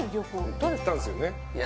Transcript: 行ったんすよね